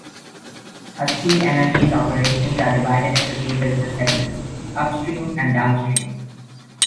Husky Energy's operations are divided into two business segments: Upstream and Downstream.